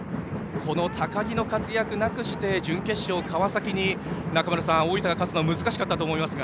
この高木の活躍なくして準決勝で川崎に中村さん、大分が勝つのは難しかったと思いますが。